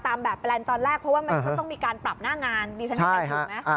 ตามแบบแบบแปลนตอนแรกเพราะว่ามันต้องมีการปรับหน้างาน